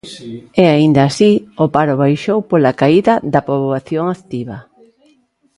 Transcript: E aínda así o paro baixou pola caída da poboación activa.